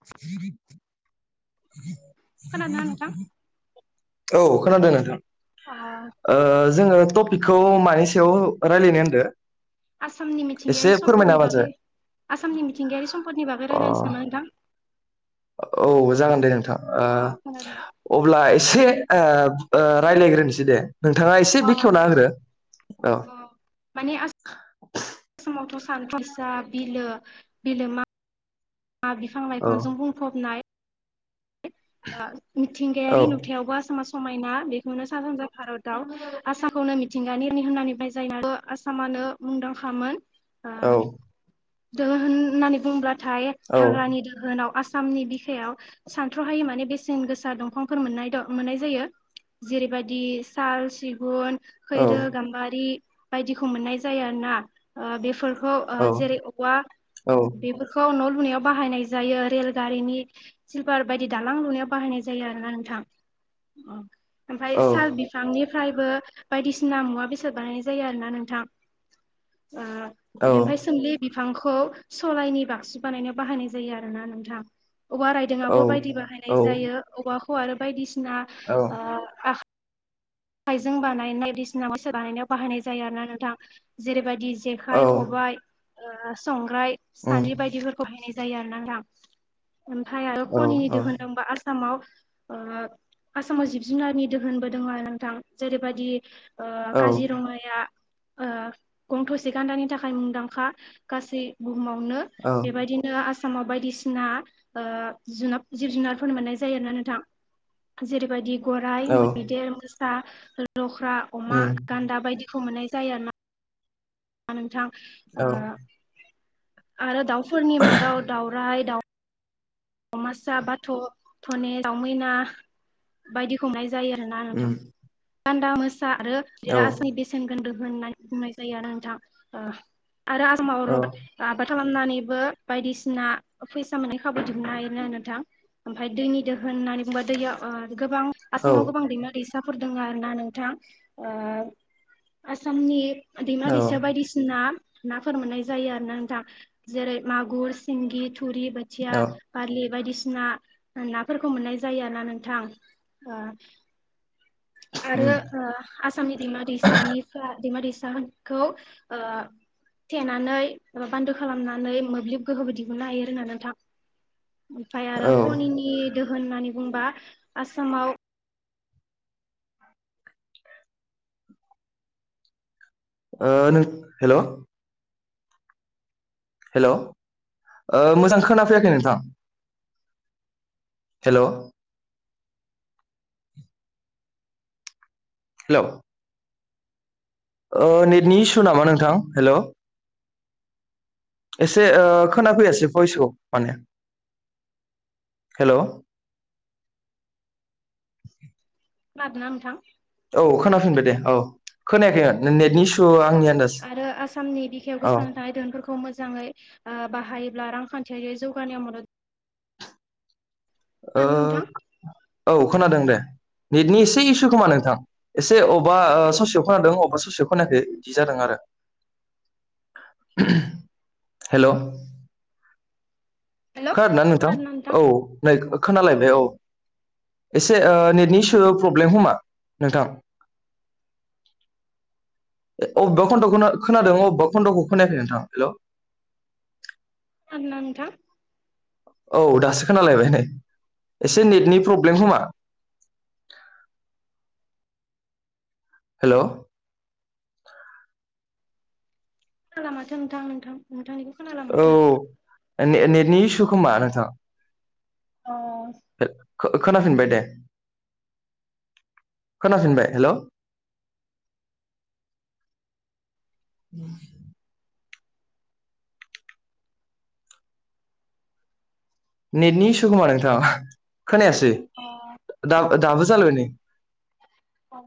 [unintelligible] खोनादोंना नोंथां औ खोनादों अ नोंथां जोङो टपिकखौ मानै सायाव रायज्लायनो होनदों आसामनि मिथिंगायारि सम्पदनि बागै आसामनि मिथिंगायारि सम्पदनि बागै रायलायनोसै नामा नोंथां औ जागोन दे नोंथां अ खोनादोंना ओ अब्ला एसे ओ ओ रायज्लायग्रोसै दे नोंथाङा एसे अ बेखेवना नोंथां होग्रो औ अ थ' सान फैसा बिलो बिलो मा ना बिफां औ लाइफांजों बुंफबनाय औ मिथिंगायारि नुथायावबो आसामा समायना बेखौनो सा सानजा भारताव आसामखौनो मिथिंगा नि रानि होननानै बुंनाय जायो। नो मुंदांखामोन ओ औ दोहोन होननानै बुंब्लाथाय औ हाग्रानि दोहोनाव आसामनि बिखायाव सानथ्र'हायि माने बेसेन गोसा दंफांफोर मोननाय द' मोननाय जायो। जेरैबायदि साल सिगुन खैरो गाम्बारि बायदिखौ मोननाय जायो आरो ना ओ बेफोर खौ ओ औ जेरै औवा बेफोरखौ न' लुनायाव बाहायनाय जायो रेलगारिनि सिलभार बायदि दालां लुनायाव बाहायनाय जायो आरोना नोंथां‌अ ओमफाय औ साल बिफांनि फफ्रायबो बायदिसिना मुवा बेसाद बानायनाय जायो आरोना नोंथां। ओ बेनिफ्राय सोमलि बिफांखौ सरायनि बाक्सि बानायनाय बाहायनाय जायो आरो ना नोंथां। औ बो बायदि बाहायनाय जायो औ औवाखौ आरो बायदिसिना औ हाइजें बानायनाय बायदिसिना मोसा बानायनायाव बाहायनाय जायो आरो ना नोंथां जेरैबायदि जेखाय औ खबाइ ओ संग्राय उम सानै बायदिफोरखौहाय जायो आरो ना नोंथां ओमफ्राय आरो औ खनिनि औ दिहुन ओमबा आ सामाव ओ आसामाव जिब जुनारनि दोहोनबो दङ नोंथां जेरैबायदि ओ, औ काजिरङाया ओ गं थ'से गान्दानि थाखाय मुंदांखा गासै बुुहुमावनो औ बेबायदिनो आसा सामाव बायदिसिना ओ जुनाब जिब जुनारफोर मोननाय जायो आरोना नोंथां। जेरैबायदि गराइ औ मैदेर मोसा लख्रा अमा उम गान्दा बायदिखौ मोननाय जायो आरो ना। नोंथां औ ओ आरो दाउफोरनि मादाव दाउराय दाउ दावमासा बाथ' धने दावमैना बायदिखौ मोन जायो आरो ना नोंथां उम गान्दा मोसा आरो बि औ आसामनि बेसेन होननानै बुंनाय जायो आरो नोंथां आरो आसामाव रबाद आबाद खालामनानैबो बायदिसिना फैसा मोनै खाबु दिहु नाय नोंथां ओमफाय दैनि दोहोन होननानै बुङोबा दैया गोबां औ आसामाव गोबां दैमा दै साफोर दङ आरोना नोंथां ओ आसामनि दैमा औ दैसा बायदिसिना नाफोर मोननाय जायो आरो ना नोंथां जेरै मागुर सिंगि थुरि बोथिया औ लि बायदिसिना नाफोरखौ मोननाय जायो आरो ना नोंथां। आरो उम ओ, आसामनि दैमा दैसानिफ्राय दैमा दैसा साफोरखौ ओ थेनानै माबा बान्दो खालामनानै मोब्लिब गोहो बो दिहनो हायो आरो ना नोंथां। ओमफाय आरो औ खनिनि दोहोन होननानै बुंबा आसामाव ओ नों हेलौ हेलौ ओ मोजां खोना फैयाखै नोंथां। हेल' हेलौ ओ नेटनि इसु नामा नोंथां हेल' एसे ओ खोनाफैयासै भयसखौ माने हेल' खोनादोना नोंथां? औ खोनाफिनबाय दे औ खोनायाखैमोन नेटनि इसु आंनिया आरो आसामनि बिखायाव गोसानानै थानाय दोहोनफोरखौ मोजाङै ओ बाहायो अब्ला रांखान्थियारि जौगानायाव मदद ओ खोनादोंना नोंथां औ खोनादों दे। नेटनि एसे इसु खोमा नोंथां एसे अबेबा ससेयाव खोनादों अबा ससेयाव खोनाखै बिदि जादों आरो। हेल' हेलौ खोना नोंथां? खोनादोंना औ नै खोनालायबाय औ। एसे ओ नेटनि इसु प्रब्लेम खोमा नोंथां। ओ अबेबा खन्द'खौ खोना खोनादों अबेबा खन्द'खौ खोनायाखै नोंथां हेल' [inaudible] खोनादों ना नोंथां? औ दासो खोनालायबाय नै एसे नेटनि प्रब्लेम खोमा [inaudible] हेल' खोनाया माथो नोंथां नोंथां नोंथांनिखौ खोनाला औ माथो ने-नेटनि इसु खोमा नोंथां। अ खो खोनाफिनबाय दे। खोनाफिनबाय हेल' औ। नेतनि इसु खोमा नोंथां। खोनायासै दा दाबो जालायबाय नै अ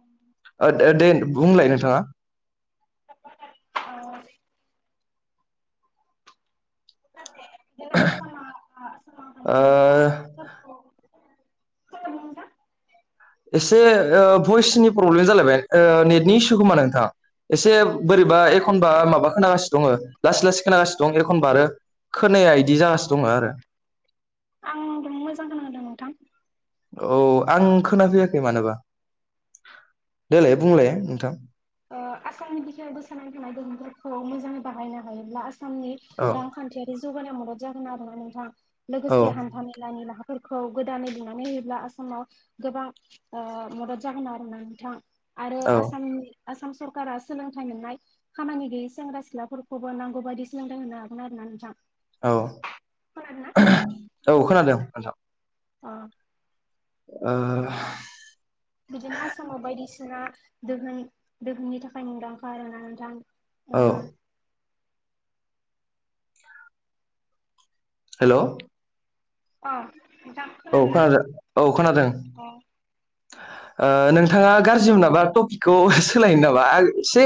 ओ दो दे बुंलाय नोंथाङा। औ। ओ [unintelligible] [unintelligible] एसे भइसनि प्रब्लेम जालायबाय नेटनि इसु खोमा नोंथां। एसे बोरैबा एखनबा माबा खोनांगासिनो दङ लासै लासै खोनासिनो दं एखनबा आरो खोनाया बिदि जासो दङ आरो। आंथ मोजां खोनांदों नोंथां। औ आं खोनाफैयाखै मानोबा देलाय बुंलाय नोंथां। ओ आसामनि बिखायावबो गोसारनानै थानाय दोहोनफोरखौ मोजाङै बाहायनो हायोब्ला आसाम औ आसाम रांखान्थियारि जौगानायाव मदद जागोन आरो ना नोंथाङा औ लोगोसे हान्था मेलानि राहा फोरखौ गोदानै लुनानै होयोब्ला आसामाव गोबां ओ मदद जागोन आरो ना नोंथां। आरो औ आसामनि आसाम सरकारा सोलोंथाइ मोननाय खामानि गैयै सेंग्रा सिख्लाफोरखौबो नांगौ बायदि सोलोंथाइ होनो हागोन आरो ना नोंथां। औ खोनादोंना औ खोनादों नोंथां। अ। ओ बिदिनो आसामाव बायदिसिना दोहोन दोहोननि थाखाय मुंदांखा आरोना नोंथां। औ। ओ हेल' अ। नोंथां औ खोनादोंना खोनादों औ खोनादों। अ नोंथाङा गाज्रि मोनाबा टपिकखौ सोलायनो नामा एसे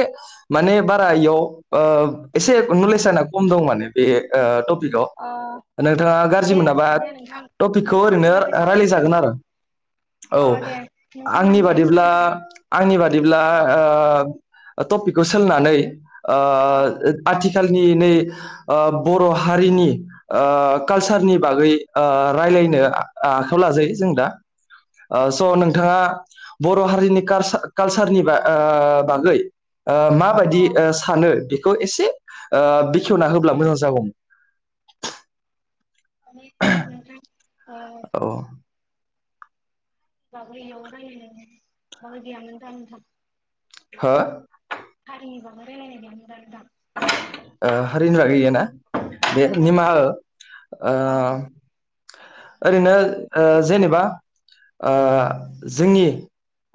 माने बारा इयाव माने आंना कलेज आं खम दं माने अ नोंथाङा गाज्रि दे मोनाबा दे नोंथां खौ नोंथाङा मानि ओरैनो बागै रायलाय सावरायनो जागोन सानदों आरो औ अ दे नोंथाङा आंनि मानि बागै बादिब्ला सावरायनो सानदों आंनि बादिब्ला ओ टपिकखौ सोलनानै अ आथिखालनि नै बर' हारि नि ओ कालसारनि बागै ओ रायज्लायनो आखाइायाव लाजायो जों दा स' नोंथाङा बर' हारिनि कालसार कालसारनि ओ बा बागै अ माबायदि सानो एसे बेखेवना होब्ला मोजां जागौमोन [unintelligible] औ [unintelligible] हो [unintelligible] हारिनि बागै इयो ना दे ओहो निमाहा हो ओ अ ओरैनो जेनेबा ओ जोंनि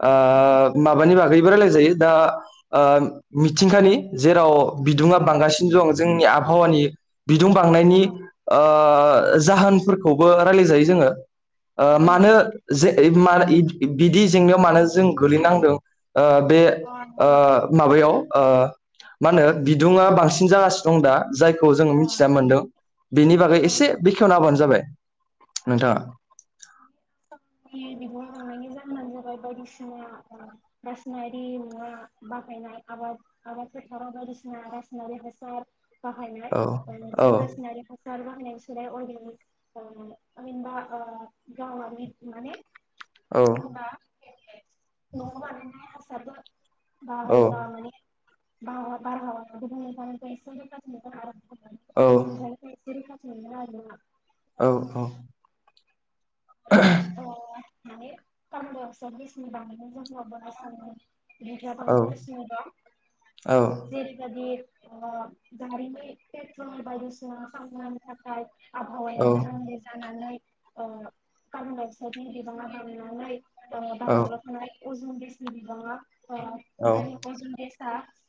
ओ अ माबानि बागैबो रायलायजायो दा मिथिंखानि जेराव बिदुंङा अ बांगासिनो दं जोंनि आबहावानि बिदुं बांनायनि अ जाहोनफोरखौबो रायलाय जायो जोङो अ मानो नोंथां जे यै माल बिदि जेंनायाव मानो जों गोलैनांदों बे अ नोंथां माबायाव मा होनो बिदुङा बांसिन जागासिनो दं दा जायखौ जोङो अ मिथिना मोनदों बेनि बागै एसे नोंथां बेखेवना हबानो जाबाय नोंथांआ [unintelligible] बाहायनाय आबाद आबाद फोथाराव बायदिसिना रसिनारि हासार सा्क्ष्औझं बाहायनाय औ औ जों रासायनारि हासार [unintelligible] औ [unintelligible] [inaudible] औ [unintelligible] औ औ [unintelligible] औ [unintelligible] [unintelligible] [unintelligible] बारमण्लाव थानाय अजुन देसनि बिबाङाओर अजुन देस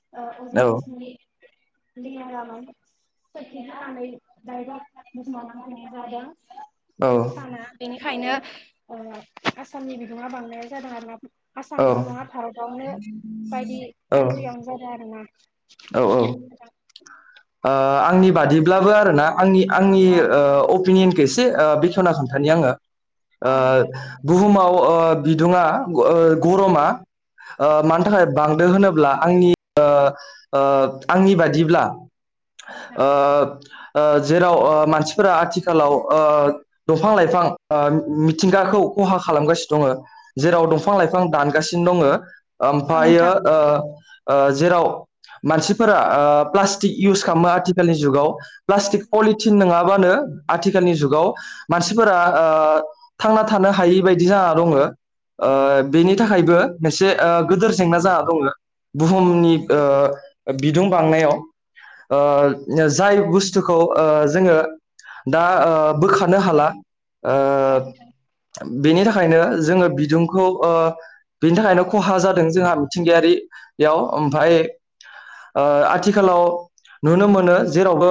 [inaudible] [unintelligible] औ साना बेनिखायनो आसामनि बिदुं बांनाय जादों आरो ना औ आसाम ल' नङा भारतआवनो बायदि कान्ट्रियावनो ज जादों आर ना औ आंनि बादिब्लाबो आरोना आंनि आंनि अपिनियनखो एसे बेखेवना खिन्थानि आंङो नोंथां अ नोंथां बुहुमाव अ बिदुंआ गरमा मानिथाखाय यानि थि आंनि आंनि बादिब्ला जेराव मानसिफोरा आथिखालाव दंफां लाइफां मिथिंगाखौ खहा खालामगासिनो दङो जेराव दंफां लाइफां दानगासिनो दङो अ ओमफ्रायो नोंथां ओ ओ जेराव मानसिफोरा ओ प्लास टिक इउस खालामो आथिखालनि जुगाव अ नोंथां अ प्लास्टिक पलिथिन नङाबानो आथिखालनि जुग गाव मानसिफोरा ओ थांना थानो हायैबादि जाना दङो ओ बेनि थाखायबो मोनसे ओ गोदोर जेंना जाना दङो। बुहुमनि ओ बिदुं बांनायाव ओ जाय बुस्थ थुखौ ओ जोङो दा ओ बोखानो हाला ओ बेनि थाखायनो जोङो बिदुंखौ अ बिनि थाखायनो खहा जादों जोंहा मिथिंगायारि याव आमफाय ओ आथिखालाव नुनो मोनो जेरावबो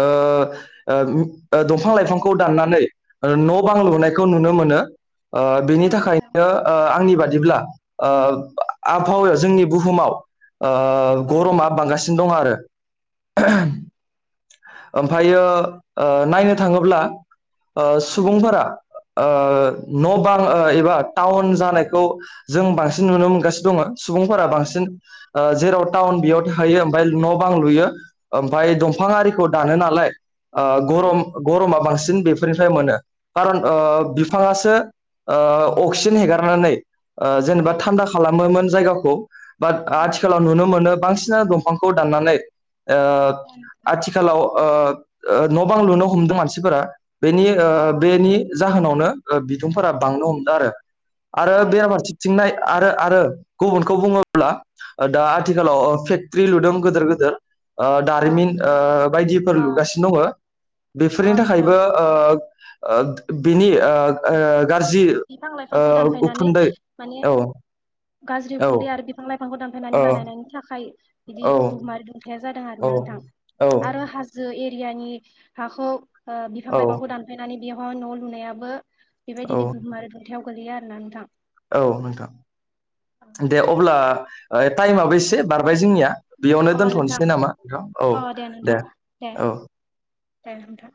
ओ ओम दंफां लाइफांखौ दाननानै ओ न' बां लुनायखौ नुनो मोनो ओ बेनि नोंथां थाखायनो ओ आंनि बादिब्ला ओ आबहावायाव जोंनि बुहुमाव ओ अ गर'मा बांगासिनो दं आरो। ओमफायो ओ नायनो थाङोब्ला ओ नोंथां सुबुंफोरा ओ न' बां ओ टाउन जानायखौ जों बांसिन नुनो मोनगासिनो दङ सुबुंफोरा बांसिन ओ जेराव टाउन बेयाव थायो ओमफाय न' बां लुयो ओमफाय दंफां आरिखौ दानो नालाय ओ गर'म गर'मा बांसिन बेफोरनिफ्राय मोनो कारन ओ बिफाङासो ओ अक्सिजेन हेगारनानै ओ जेनेबा थान्दा खालामोमोन जायगाखौ। बाट आथिखालाव नुनो मोनो बांसिनानो दंफांखौ दाननानै ओ आथिखालाव ओ ओ न' बां लुनो हमदों मानसिफोरा बेनि‌ ओ बेनि जाहोनावनो ओ बिदुंफोरा बांनो हमदों आरो अ आरो [unintelligible] आरो आरो गुबुनखौ बुङोब्ला ओ दा आथिखालाव ओ फेक्ट्रि लुदों गोदोर गोदोर। ओ दारिमिन ओ बायदिफोर लुगासिनो दङो अ बेफोरनि नोंथां थाखायबो ओ ओ बिनि ओ ओ गारजि बिफांखौ दानफायनानै माने गाज्रि औ उखुन्दै आरो बिफां लाइफां बिफांखौ दानफायनानै औ बानायनायनि थाखाय बिदि औ बुहुमारि दुंथाया ना औ नोंथां औ आरो हाजो एरियानि हाखौ ओ बिफां औ लाइफांखौ दानफायनानै बेयावहा न' लुनायाबो औ बेबायदिनो बुहुमारि दुंथायाव गोलैयो आरो ना नोंथां। औ नोंथां दे अब्ला ओ टाइमाबो एसे बारबाय जोंनिया। बेयावनो अ नोंथां दोनथ'नोसै नामा नोंथां? औ अ नोंथां दे दे औ। दे नोंथां।